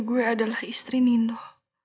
gue adalah istri nino